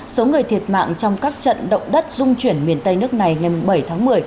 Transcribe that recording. số người thiệt mạng trong các trận động đất dung chuyển miền tây nước này ngày bảy tháng một mươi